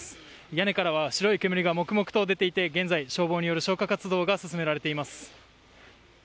屋根からは白い煙がもくもくと出ていて現在、消防による消火活動が進められています。